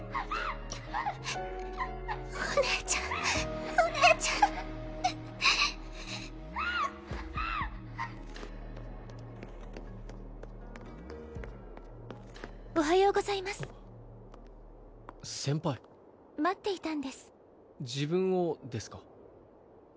お姉ちゃんお姉ちゃんおはようございます先輩待っていたんです自分をですか？